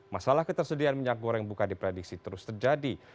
masalah ketersediaan minyak goreng buka diprediksi terus terjadi